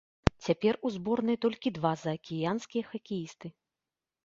Цяпер у зборнай толькі два заакіянскія хакеісты.